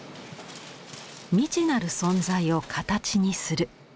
未知なる存在を形にする。